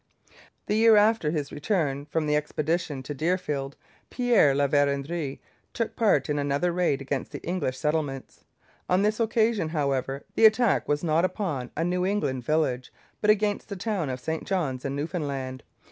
The year after his return from the expedition to Deerfield, Pierre de La Vérendrye took part in another raid against the English settlements. On this occasion, however, the attack was not upon a New England village, but against the town of St John's, in Newfoundland.